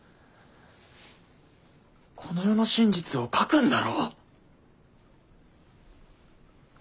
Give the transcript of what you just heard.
この世の真実を書くんだろ。